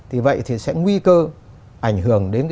thì vậy thì sẽ nguy cơ ảnh hưởng đến